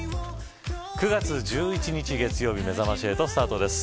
９月１１日月曜日めざまし８スタートです。